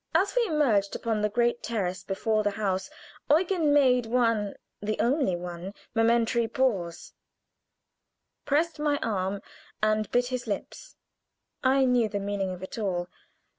As we emerged upon the great terrace before the house Eugen made one (the only one) momentary pause, pressed my arm, and bit his lips. I knew the meaning of it all.